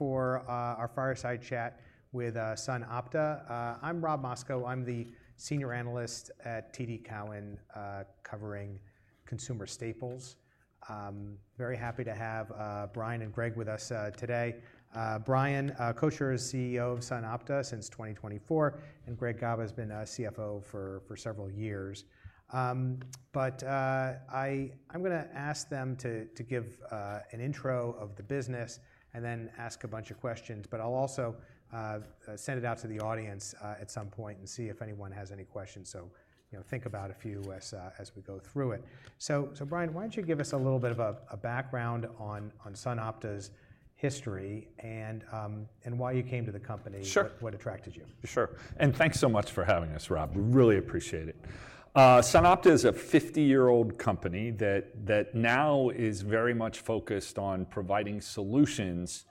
For our fireside chat with SunOpta. I'm Rob Mosco. I'm the senior analyst at TD Cowen, covering consumer staples. Very happy to have Brian and Greg with us today. Brian Kocher is CEO of SunOpta since 2024, and Greg Gaba has been CFO for several years. I'm going to ask them to give an intro of the business and then ask a bunch of questions. I'll also send it out to the audience at some point and see if anyone has any questions. Think about a few as we go through it. Brian, why don't you give us a little bit of a background on SunOpta's history and why you came to the company? What attracted you? Sure. Thanks so much for having us, Rob. We really appreciate it. SunOpta is a 50-year-old company that now is very much focused on providing solutions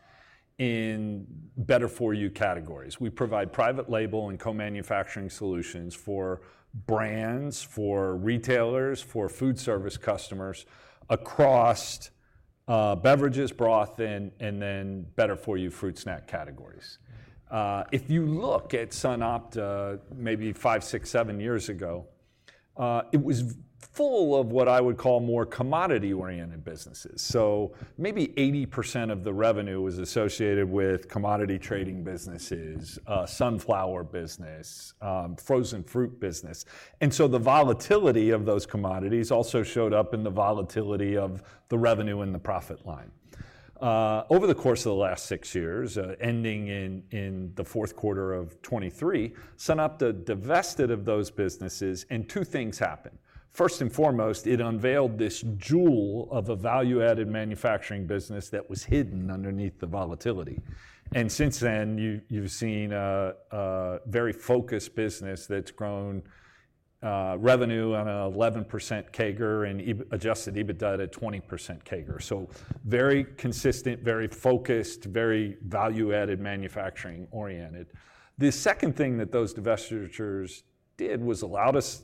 in better-for-you categories. We provide private label and co-manufacturing solutions for brands, for retailers, for food service customers across beverages, broth, and then better-for-you fruit snack categories. If you look at SunOpta maybe five, six, seven years ago, it was full of what I would call more commodity-oriented businesses. Maybe 80% of the revenue was associated with commodity trading businesses, sunflower business, frozen fruit business. The volatility of those commodities also showed up in the volatility of the revenue and the profit line. Over the course of the last six years, ending in the fourth quarter of 2023, SunOpta divested of those businesses, and two things happened. First and foremost, it unveiled this jewel of a value-added manufacturing business that was hidden underneath the volatility. Since then, you've seen a very focused business that's grown revenue on an 11% CAGR and adjusted EBITDA at a 20% CAGR. Very consistent, very focused, very value-added manufacturing oriented. The second thing that those divestitures did was allowed us,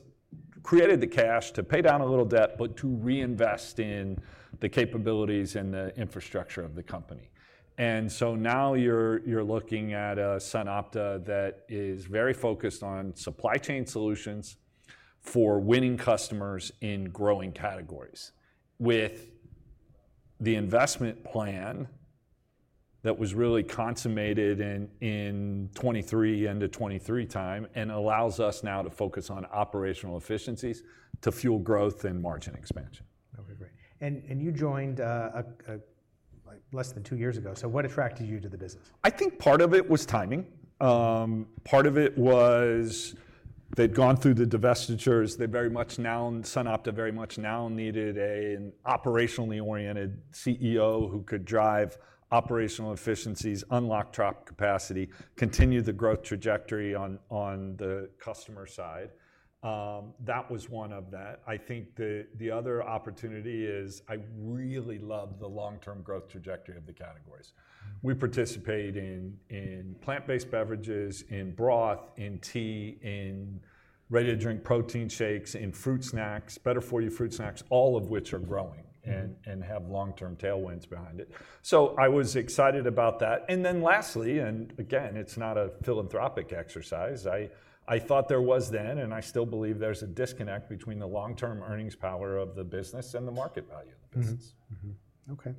created the cash to pay down a little debt, but to reinvest in the capabilities and the infrastructure of the company. Now you're looking at a SunOpta that is very focused on supply chain solutions for winning customers in growing categories with the investment plan that was really consummated in '23, end of '23 time, and allows us now to focus on operational efficiencies to fuel growth and margin expansion. You joined less than two years ago. What attracted you to the business? I think part of it was timing. Part of it was they'd gone through the divestitures. SunOpta very much now needed an operationally oriented CEO who could drive operational efficiencies, unlock trapped capacity, continue the growth trajectory on the customer side. That was one of that. I think the other opportunity is I really love the long-term growth trajectory of the categories. We participate in plant-based beverages, in broth, in tea, in ready-to-drink protein shakes, in fruit snacks, better-for-you fruit snacks, all of which are growing and have long-term tailwinds behind it. I was excited about that. Lastly, and again, it's not a philanthropic exercise. I thought there was then, and I still believe there's a disconnect between the long-term earnings power of the business and the market value of the business. Okay.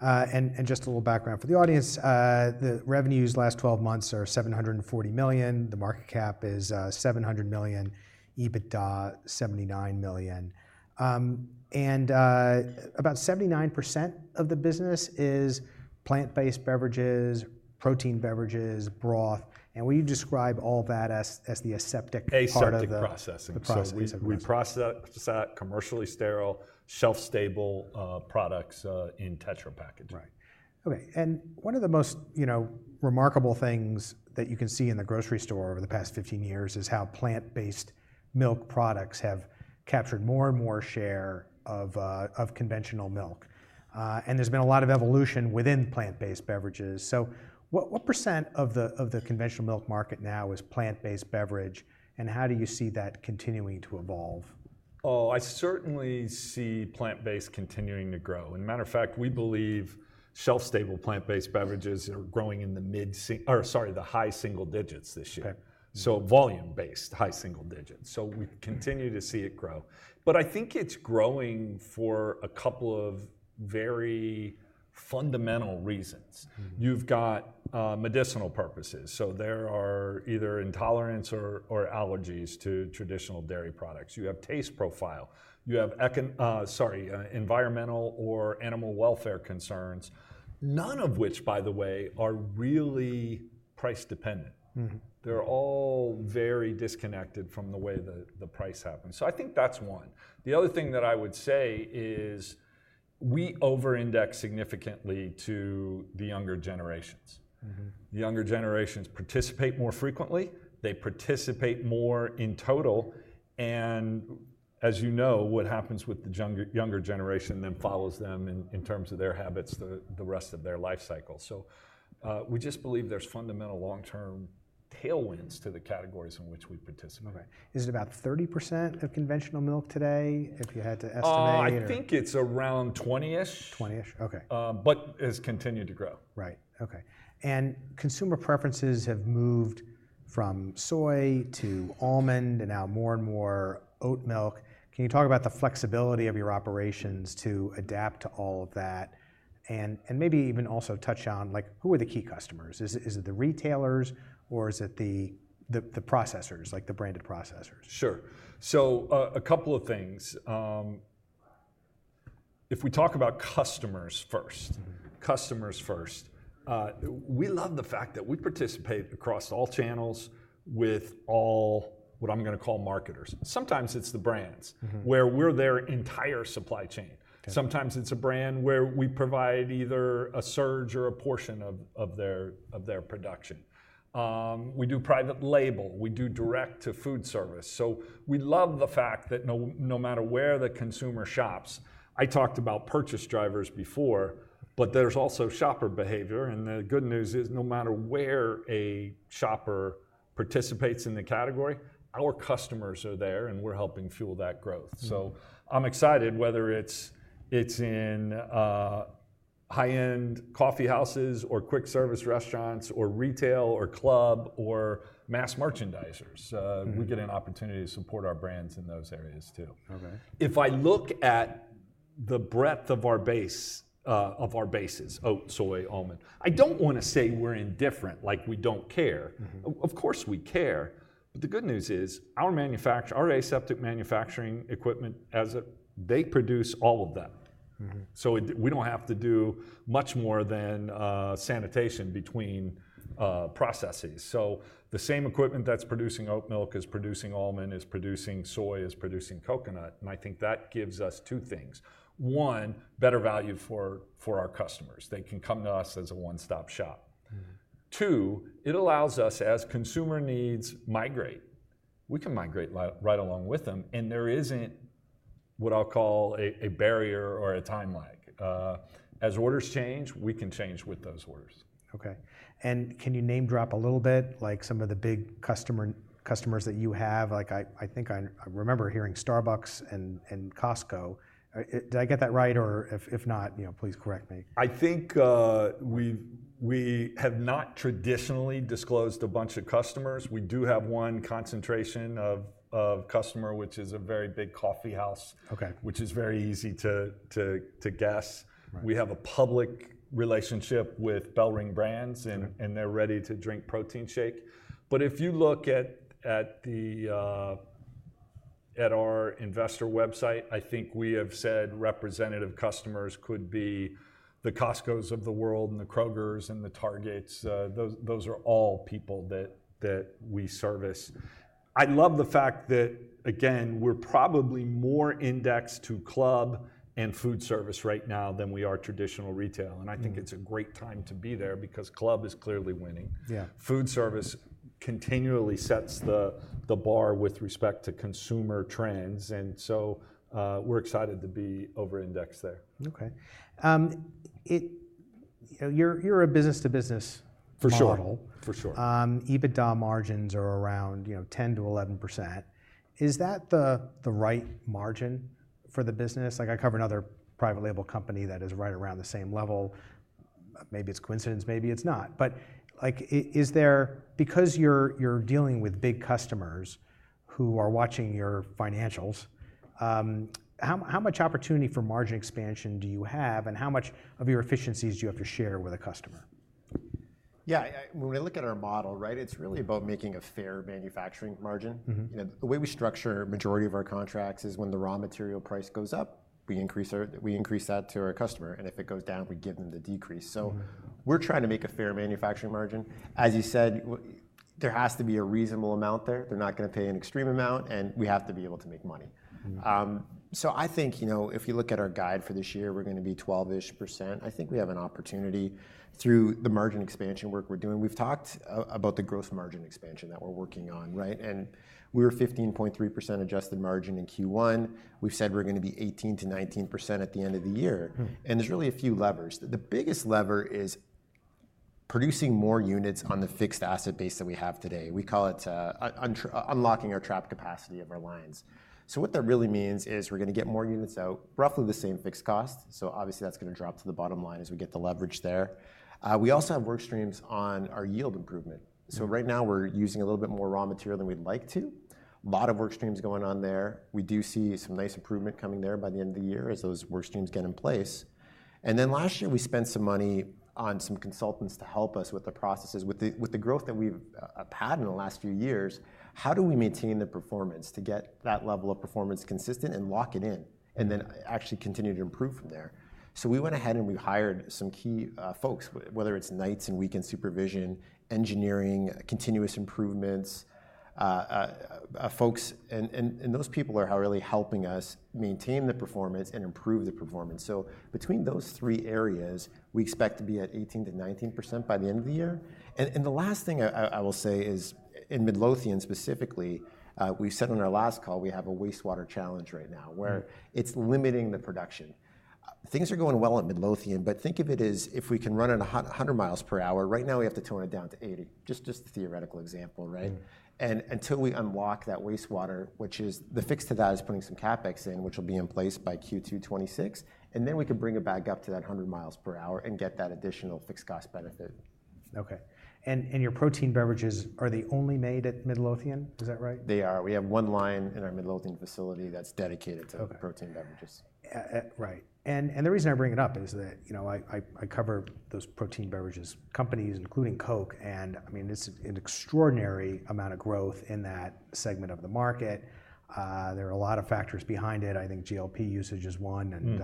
And just a little background for the audience. The revenues last 12 months are $740 million. The market cap is $700 million, EBITDA $79 million. And about 79% of the business is plant-based beverages, protein beverages, broth. And will you describe all that as the aseptic process? Aseptic processing. We process commercially sterile, shelf-stable products in Tetra Pak packaging. Right. Okay. One of the most remarkable things that you can see in the grocery store over the past 15 years is how plant-based milk products have captured more and more share of conventional milk. There has been a lot of evolution within plant-based beverages. What % of the conventional milk market now is plant-based beverage? How do you see that continuing to evolve? Oh, I certainly see plant-based continuing to grow. As a matter of fact, we believe shelf-stable plant-based beverages are growing in the high single digits this year. Volume-based, high single digits. We continue to see it grow. I think it is growing for a couple of very fundamental reasons. You have medicinal purposes. There are either intolerance or allergies to traditional dairy products. You have taste profile. You have environmental or animal welfare concerns, none of which, by the way, are really price dependent. They are all very disconnected from the way the price happens. I think that is one. The other thing that I would say is we over-index significantly to the younger generations. The younger generations participate more frequently. They participate more in total. As you know, what happens with the younger generation then follows them in terms of their habits the rest of their life cycle. We just believe there's fundamental long-term tailwinds to the categories in which we participate. Is it about 30% of conventional milk today if you had to estimate? I think it's around 20-ish. 20-ish. Okay. Has continued to grow. Right. Okay. Consumer preferences have moved from soy to almond and now more and more oat milk. Can you talk about the flexibility of your operations to adapt to all of that? Maybe even also touch on who are the key customers? Is it the retailers or is it the processors, like the branded processors? Sure. A couple of things. If we talk about customers first, we love the fact that we participate across all channels with all what I'm going to call marketers. Sometimes it's the brands where we're their entire supply chain. Sometimes it's a brand where we provide either a surge or a portion of their production. We do private label. We do direct-to-food service. We love the fact that no matter where the consumer shops, I talked about purchase drivers before, but there's also shopper behavior. The good news is no matter where a shopper participates in the category, our customers are there and we're helping fuel that growth. I'm excited whether it's in high-end coffee houses or quick service restaurants or retail or club or mass merchandisers. We get an opportunity to support our brands in those areas too. If I look at the breadth of our base, of our bases, oat, soy, almond, I do not want to say we are indifferent, like we do not care. Of course we care. The good news is our aseptic manufacturing equipment, they produce all of that. We do not have to do much more than sanitation between processes. The same equipment that is producing oat milk is producing almond, is producing soy, is producing coconut. I think that gives us two things. One, better value for our customers. They can come to us as a one-stop shop. Two, it allows us as consumer needs migrate. We can migrate right along with them. There is not what I will call a barrier or a time lag. As orders change, we can change with those orders. Okay. Can you name drop a little bit like some of the big customers that you have? I think I remember hearing Starbucks and Costco. Did I get that right? If not, please correct me. I think we have not traditionally disclosed a bunch of customers. We do have one concentration of customer, which is a very big coffee house, which is very easy to guess. We have a public relationship with Bell Ring Brands, and their ready-to-drink protein shake. If you look at our investor website, I think we have said representative customers could be the Costcos of the world and the Krogers and the Targets. Those are all people that we service. I love the fact that, again, we're probably more indexed to club and food service right now than we are traditional retail. I think it's a great time to be there because club is clearly winning. Food service continually sets the bar with respect to consumer trends. We are excited to be over-indexed there. Okay. You're a business-to-business model. For sure. For sure. EBITDA margins are around 10-11%. Is that the right margin for the business? I cover another private label company that is right around the same level. Maybe it's coincidence, maybe it's not. Because you're dealing with big customers who are watching your financials, how much opportunity for margin expansion do you have? How much of your efficiencies do you have to share with a customer? Yeah. When we look at our model, right, it's really about making a fair manufacturing margin. The way we structure a majority of our contracts is when the raw material price goes up, we increase that to our customer. If it goes down, we give them the decrease. We're trying to make a fair manufacturing margin. As you said, there has to be a reasonable amount there. They're not going to pay an extreme amount, and we have to be able to make money. I think if you look at our guide for this year, we're going to be 12-ish %. I think we have an opportunity through the margin expansion work we're doing. We've talked about the gross margin expansion that we're working on, right? We were 15.3% adjusted margin in Q1. We've said we're going to be 18-19% at the end of the year. There's really a few levers. The biggest lever is producing more units on the fixed asset base that we have today. We call it unlocking our trap capacity of our lines. What that really means is we're going to get more units out, roughly the same fixed cost. Obviously that's going to drop to the bottom line as we get the leverage there. We also have work streams on our yield improvement. Right now we're using a little bit more raw material than we'd like to. A lot of work streams going on there. We do see some nice improvement coming there by the end of the year as those work streams get in place. Last year we spent some money on some consultants to help us with the processes. With the growth that we've had in the last few years, how do we maintain the performance to get that level of performance consistent and lock it in and then actually continue to improve from there? We went ahead and we hired some key folks, whether it's nights and weekend supervision, engineering, continuous improvements, folks. Those people are really helping us maintain the performance and improve the performance. Between those three areas, we expect to be at 18-19% by the end of the year. The last thing I will say is in Midlothian specifically, we said on our last call, we have a wastewater challenge right now where it's limiting the production. Things are going well at Midlothian, but think of it as if we can run at 100 miles per hour. Right now we have to tone it down to 80, just a theoretical example, right? Until we unlock that wastewater, which is the fix to that, is putting some CapEx in, which will be in place by Q2 2026, and then we can bring it back up to that 100 miles per hour and get that additional fixed cost benefit. Okay. Are your protein beverages only made at Midlothian, is that right? They are. We have one line in our Midlothian facility that's dedicated to protein beverages. Right. The reason I bring it up is that I cover those protein beverages companies, including Coke. I mean, it's an extraordinary amount of growth in that segment of the market. There are a lot of factors behind it. I think GLP usage is one.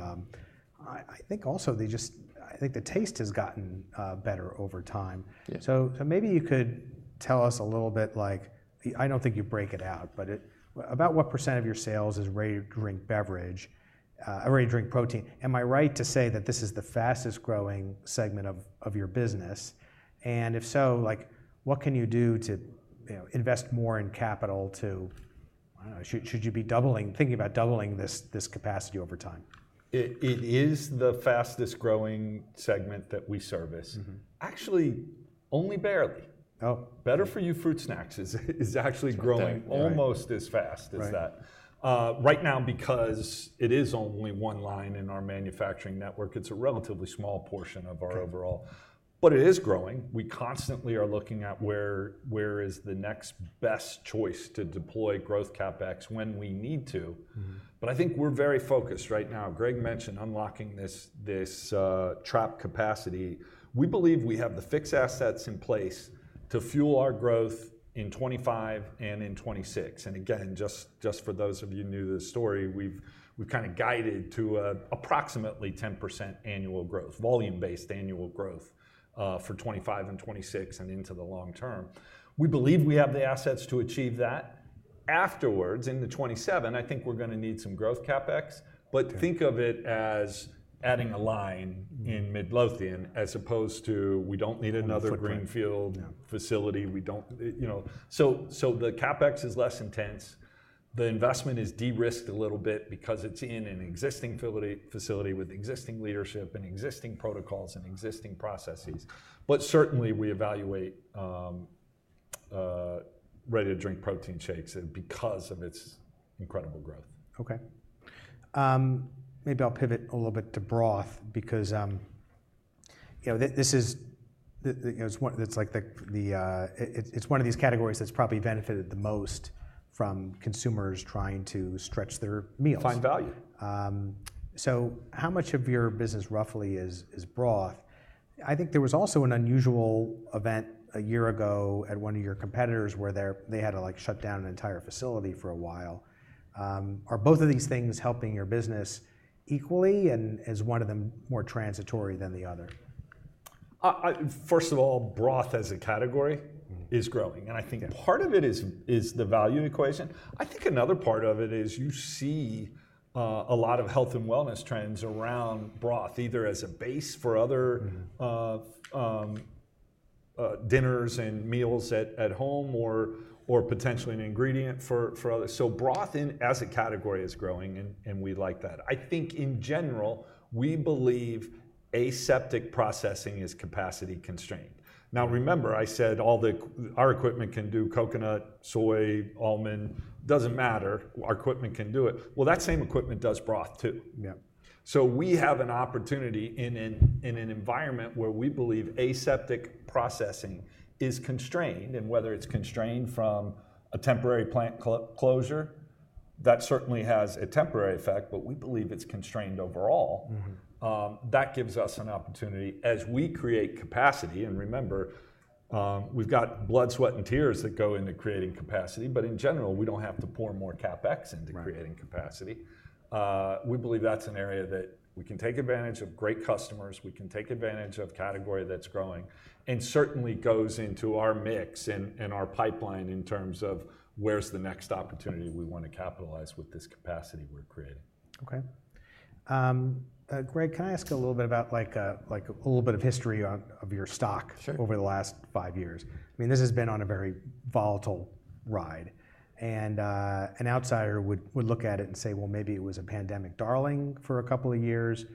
I think also they just, I think the taste has gotten better over time. Maybe you could tell us a little bit, I don't think you break it out, but about what % of your sales is ready-to-drink beverage, ready-to-drink protein? Am I right to say that this is the fastest growing segment of your business? If so, what can you do to invest more in capital to, I don't know, should you be thinking about doubling this capacity over time? It is the fastest growing segment that we service. Actually, only barely. Better-for-you fruit snacks is actually growing almost as fast as that. Right now, because it is only one line in our manufacturing network, it is a relatively small portion of our overall. It is growing. We constantly are looking at where is the next best choice to deploy growth CapEx when we need to. I think we are very focused right now. Greg mentioned unlocking this trap capacity. We believe we have the fixed assets in place to fuel our growth in 2025 and in 2026. Again, just for those of you new to the story, we have kind of guided to approximately 10% annual growth, volume-based annual growth for 2025 and 2026 and into the long term. We believe we have the assets to achieve that. Afterwards, in the 2027, I think we're going to need some growth CapEx. But think of it as adding a line in Midlothian as opposed to we don't need another greenfield facility. So the CapEx is less intense. The investment is de-risked a little bit because it's in an existing facility with existing leadership and existing protocols and existing processes. But certainly we evaluate ready-to-drink protein shakes because of its incredible growth. Okay. Maybe I'll pivot a little bit to broth because it's one of these categories that's probably benefited the most from consumers trying to stretch their meals. Find value. How much of your business roughly is broth? I think there was also an unusual event a year ago at one of your competitors where they had to shut down an entire facility for a while. Are both of these things helping your business equally and is one of them more transitory than the other? First of all, broth as a category is growing. I think part of it is the value equation. I think another part of it is you see a lot of health and wellness trends around broth, either as a base for other dinners and meals at home or potentially an ingredient for others. Broth as a category is growing and we like that. I think in general, we believe aseptic processing is capacity constrained. Now remember, I said all our equipment can do coconut, soy, almond, does not matter. Our equipment can do it. That same equipment does broth too. We have an opportunity in an environment where we believe aseptic processing is constrained. Whether it is constrained from a temporary plant closure, that certainly has a temporary effect, but we believe it is constrained overall. That gives us an opportunity as we create capacity. Remember, we've got blood, sweat, and tears that go into creating capacity. In general, we don't have to pour more CapEx into creating capacity. We believe that's an area that we can take advantage of great customers. We can take advantage of a category that's growing and certainly goes into our mix and our pipeline in terms of where's the next opportunity we want to capitalize with this capacity we're creating. Okay. Greg, can I ask a little bit about a little bit of history of your stock over the last five years? I mean, this has been on a very volatile ride. An outsider would look at it and say, well, maybe it was a pandemic darling for a couple of years.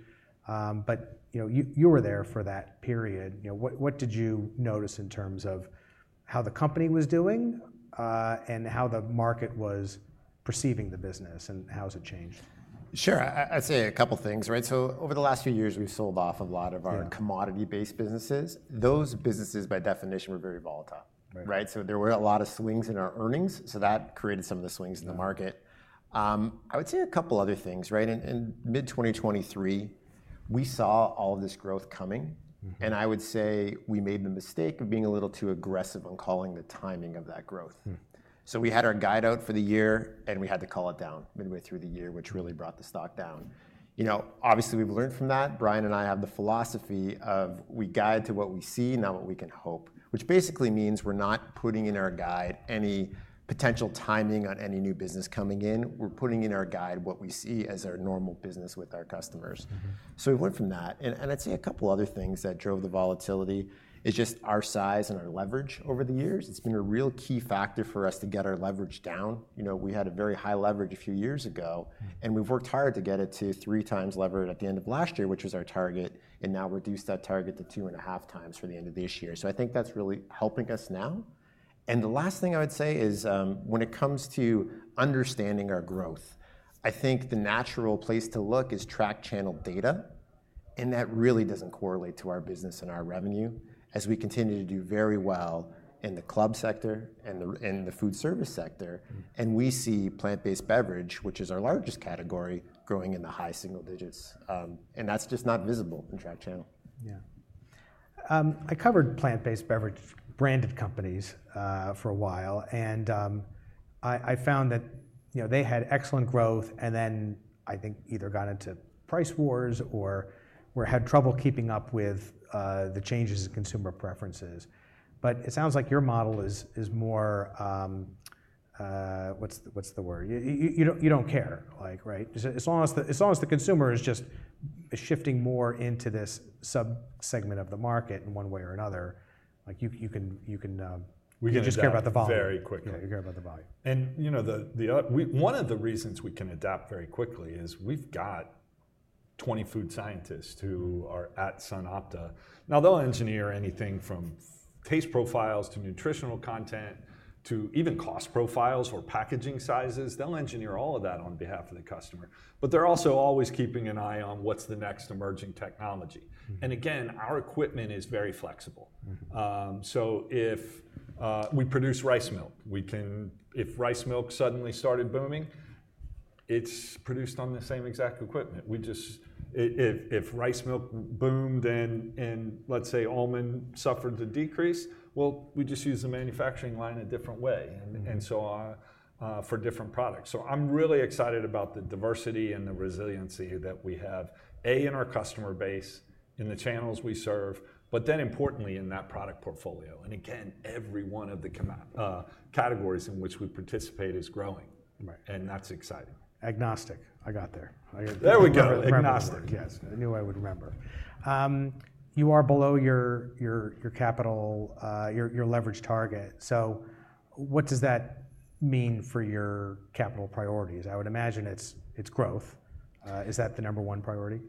You were there for that period. What did you notice in terms of how the company was doing and how the market was perceiving the business and how has it changed? Sure. I'd say a couple of things, right? Over the last few years, we've sold off a lot of our commodity-based businesses. Those businesses, by definition, were very volatile, right? There were a lot of swings in our earnings. That created some of the swings in the market. I would say a couple of other things, right? In Mid-2023, we saw all of this growth coming. I would say we made the mistake of being a little too aggressive on calling the timing of that growth. We had our guide out for the year and we had to call it down midway through the year, which really brought the stock down. Obviously, we've learned from that. Brian and I have the philosophy of we guide to what we see, not what we can hope, which basically means we're not putting in our guide any potential timing on any new business coming in. We're putting in our guide what we see as our normal business with our customers. We went from that. I'd say a couple of other things that drove the volatility is just our size and our leverage over the years. It's been a real key factor for us to get our leverage down. We had a very high leverage a few years ago. We've worked hard to get it to three times leverage at the end of last year, which was our target. We've now reduced that target to two and a half times for the end of this year. I think that's really helping us now. The last thing I would say is when it comes to understanding our growth, I think the natural place to look is track channel data. That really does not correlate to our business and our revenue as we continue to do very well in the club sector and the food service sector. We see plant-based beverage, which is our largest category, growing in the high single digits. That is just not visible in track channel. Yeah. I covered plant-based beverage branded companies for a while. I found that they had excellent growth and then I think either got into price wars or had trouble keeping up with the changes in consumer preferences. It sounds like your model is more, what's the word? You don't care, right? As long as the consumer is just shifting more into this subsegment of the market in one way or another, you can just care about the volume. We can adapt very quickly. Yeah, you care about the volume. One of the reasons we can adapt very quickly is we've got 20 food scientists who are at SunOpta. They'll engineer anything from taste profiles to nutritional content to even cost profiles or packaging sizes. They'll engineer all of that on behalf of the customer. They're also always keeping an eye on what's the next emerging technology. Our equipment is very flexible. If we produce rice milk, if rice milk suddenly started booming, it's produced on the same exact equipment. If rice milk boomed and let's say almond suffered the decrease, we just use the manufacturing line a different way for different products. I'm really excited about the diversity and the resiliency that we have, A, in our customer base, in the channels we serve, but then importantly in that product portfolio. Every one of the categories in which we participate is growing. That is exciting. Agnostic. I got there. There we go. Agnostic. Yes. I knew I would remember. You are below your capital, your leverage target. What does that mean for your capital priorities? I would imagine it's growth. Is that the number one priority?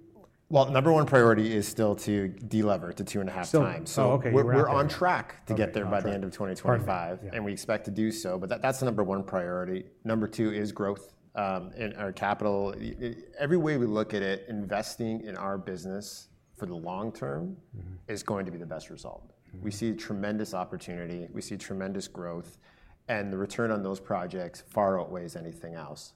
Number one priority is still to deleverage to 2.5 times. We are on track to get there by the end of 2025. We expect to do so. That is the number one priority. Number two is growth in our capital. Every way we look at it, investing in our business for the long term is going to be the best result. We see tremendous opportunity. We see tremendous growth. The return on those projects far outweighs anything else.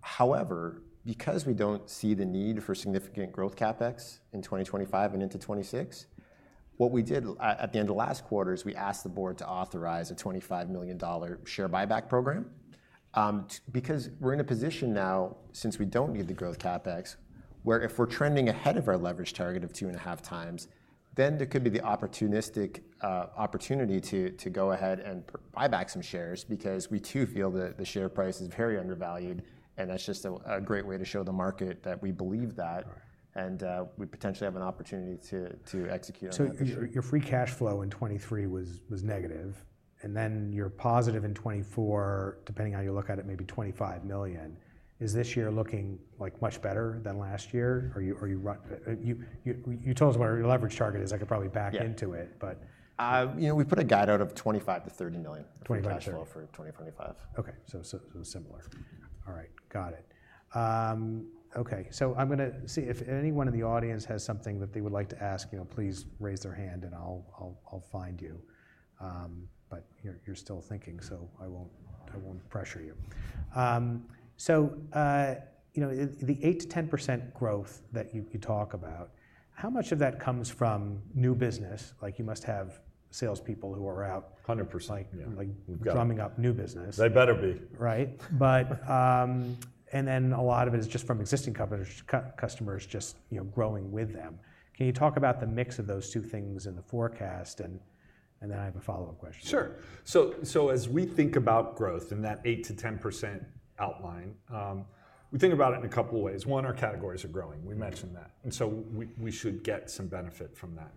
However, because we do not see the need for significant growth CapEx in 2025 and into 2026, what we did at the end of last quarter is we asked the board to authorize a $25 million share buyback program. Because we're in a position now, since we don't need the growth CapEx, where if we're trending ahead of our leverage target of 2.5 times, there could be the opportunity to go ahead and buy back some shares because we too feel that the share price is very undervalued. That's just a great way to show the market that we believe that. We potentially have an opportunity to execute on that. Your free cash flow in 2023 was negative. Then you are positive in 2024, depending on how you look at it, maybe $25 million. Is this year looking much better than last year? You told us what your leverage target is. I could probably back into it, but. We put a guide out of $25-$30 million cash flow for 2025. Okay. So it's similar. All right. Got it. Okay. I'm going to see if anyone in the audience has something that they would like to ask, please raise their hand and I'll find you. You're still thinking, so I won't pressure you. The 8-10% growth that you talk about, how much of that comes from new business? You must have salespeople who are out. 100%. Drumming up new business. They better be. Right. A lot of it is just from existing customers just growing with them. Can you talk about the mix of those two things in the forecast? I have a follow-up question. Sure. As we think about growth in that 8%-10% outline, we think about it in a couple of ways. One, our categories are growing. We mentioned that. We should get some benefit from that.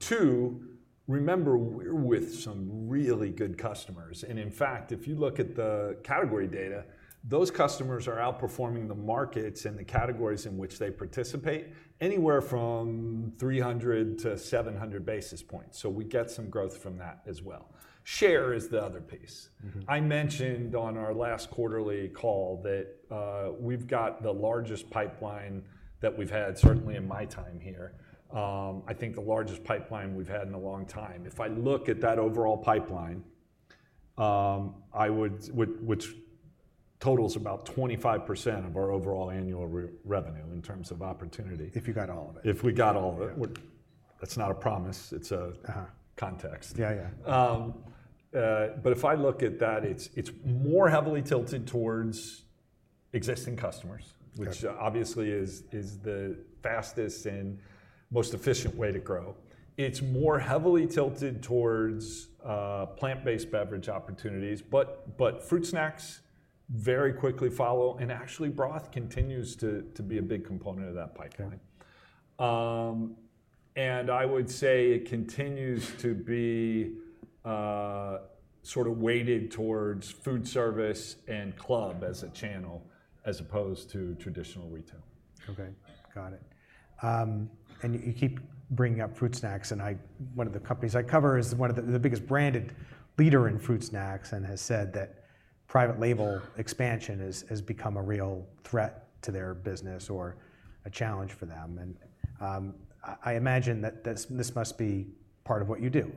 Two, remember we are with some really good customers. In fact, if you look at the category data, those customers are outperforming the markets and the categories in which they participate anywhere from 300 to 700 basis points. We get some growth from that as well. Share is the other piece. I mentioned on our last quarterly call that we have the largest pipeline that we have had, certainly in my time here. I think the largest pipeline we have had in a long time. If I look at that overall pipeline, which totals about 25% of our overall annual revenue in terms of opportunity. If you got all of it. If we got all of it. That's not a promise. It's a context. Yeah, yeah. If I look at that, it's more heavily tilted towards existing customers, which obviously is the fastest and most efficient way to grow. It's more heavily tilted towards plant-based beverage opportunities. Fruit snacks very quickly follow. Actually, broth continues to be a big component of that pipeline. I would say it continues to be sort of weighted towards food service and club as a channel as opposed to traditional retail. Okay. Got it. You keep bringing up fruit snacks. One of the companies I cover is one of the biggest branded leaders in fruit snacks and has said that private label expansion has become a real threat to their business or a challenge for them. I imagine that this must be part of what you do.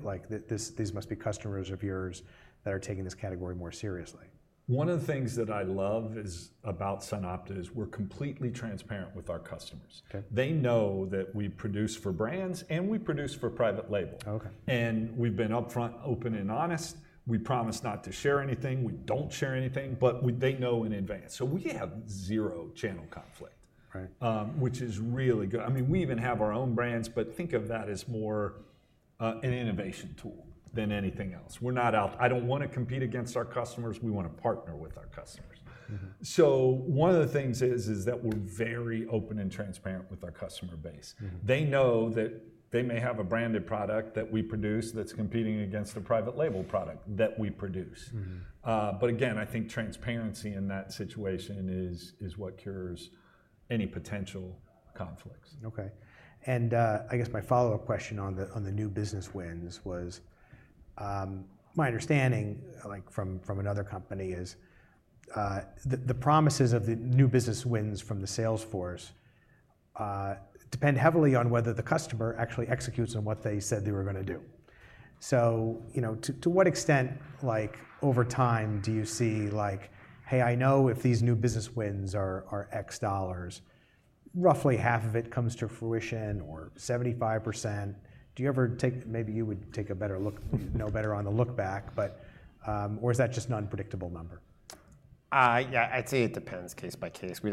These must be customers of yours that are taking this category more seriously. One of the things that I love about SunOpta is we're completely transparent with our customers. They know that we produce for brands and we produce for private label. We've been upfront, open and honest. We promise not to share anything. We do not share anything, but they know in advance. We have zero channel conflict, which is really good. I mean, we even have our own brands, but think of that as more an innovation tool than anything else. We're not out. I do not want to compete against our customers. We want to partner with our customers. One of the things is that we're very open and transparent with our customer base. They know that they may have a branded product that we produce that is competing against a private label product that we produce. I think transparency in that situation is what cures any potential conflicts. Okay. I guess my follow-up question on the new business wins was my understanding from another company is the promises of the new business wins from the salesforce depend heavily on whether the customer actually executes on what they said they were going to do. To what extent over time do you see, hey, I know if these new business wins are X dollars, roughly half of it comes to fruition or 75%? Do you ever take maybe you would take a better look, know better on the look back, or is that just an unpredictable number? Yeah, I'd say it depends case by case. We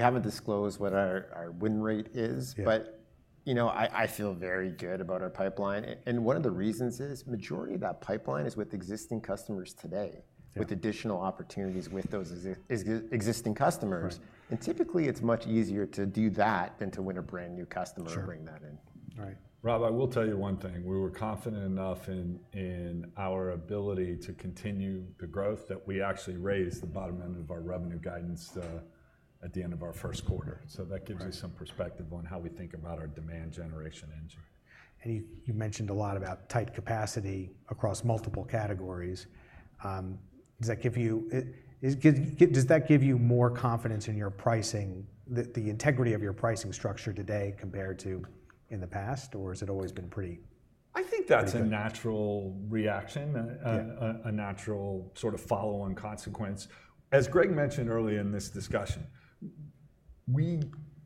haven't disclosed what our win rate is, but I feel very good about our pipeline. One of the reasons is majority of that pipeline is with existing customers today, with additional opportunities with those existing customers. Typically, it's much easier to do that than to win a brand new customer and bring that in. Sure. Right. Rob, I will tell you one thing. We were confident enough in our ability to continue the growth that we actually raised the bottom end of our revenue guidance at the end of our first quarter. That gives you some perspective on how we think about our demand generation engine. You mentioned a lot about tight capacity across multiple categories. Does that give you more confidence in your pricing, the integrity of your pricing structure today compared to in the past, or has it always been pretty? I think that's a natural reaction, a natural sort of follow-on consequence. As Greg mentioned early in this discussion, we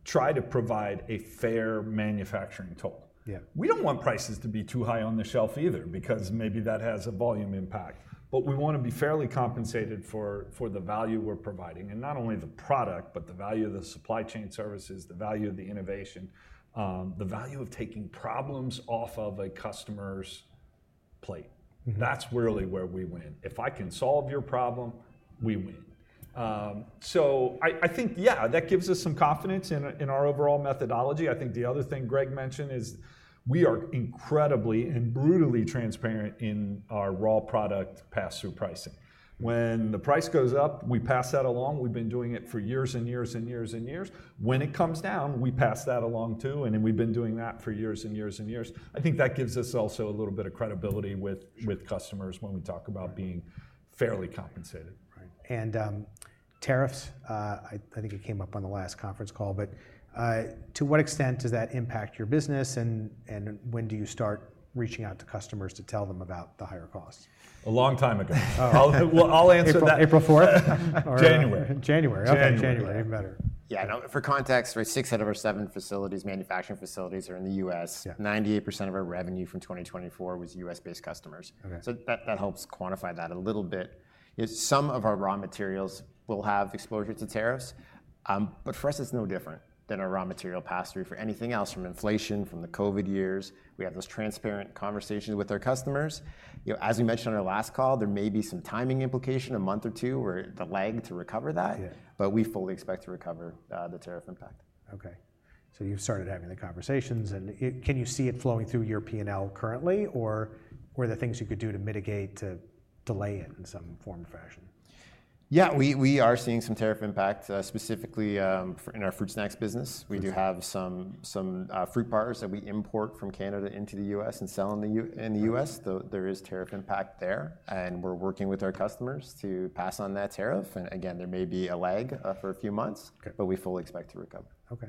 try to provide a fair manufacturing toll. We do not want prices to be too high on the shelf either because maybe that has a volume impact. We want to be fairly compensated for the value we are providing. Not only the product, but the value of the supply chain services, the value of the innovation, the value of taking problems off of a customer's plate. That is really where we win. If I can solve your problem, we win. I think, yeah, that gives us some confidence in our overall methodology. I think the other thing Greg mentioned is we are incredibly and brutally transparent in our raw product pass-through pricing. When the price goes up, we pass that along. We've been doing it for years and years. When it comes down, we pass that along too. And we've been doing that for years and years. I think that gives us also a little bit of credibility with customers when we talk about being fairly compensated. Right. Tariffs, I think it came up on the last conference call, but to what extent does that impact your business? When do you start reaching out to customers to tell them about the higher costs? A long time ago. I'll answer that. April 4th? January. January. Okay. January. Even better. Yeah. For context, six out of our seven manufacturing facilities are in the U.S. 98% of our revenue from 2024 was U.S.-based customers. That helps quantify that a little bit. Some of our raw materials will have exposure to tariffs. For us, it's no different than our raw material pass-through for anything else from inflation, from the COVID years. We have those transparent conversations with our customers. As we mentioned on our last call, there may be some timing implication, a month or two, or the lag to recover that. We fully expect to recover the tariff impact. Okay. So you've started having the conversations. And can you see it flowing through your P&L currently, or are there things you could do to mitigate, to delay it in some form or fashion? Yeah. We are seeing some tariff impacts specifically in our fruit snacks business. We do have some fruit bars that we import from Canada into the U.S. and sell in the U.S. There is tariff impact there. We are working with our customers to pass on that tariff. There may be a lag for a few months, but we fully expect to recover. Okay.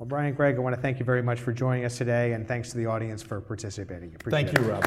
Brian and Greg, I want to thank you very much for joining us today. Thanks to the audience for participating. Appreciate it. Thank you, Rob.